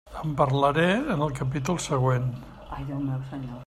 En parlaré en el capítol següent.